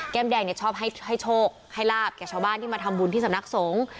แดงเนี่ยชอบให้โชคให้ลาบแก่ชาวบ้านที่มาทำบุญที่สำนักสงฆ์